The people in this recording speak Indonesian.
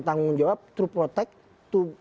tanggung jawab two protect to